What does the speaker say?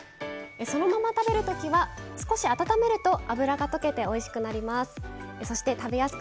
そのまま食べるときは少し温めると脂が溶けておいしくなります。